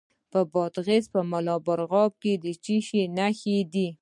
د بادغیس په بالامرغاب کې د څه شي نښې دي؟